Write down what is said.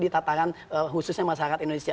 di tataran khususnya masyarakat indonesia